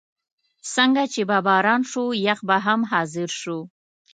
څنګه چې به باران شو، یخ به هم حاضر شو.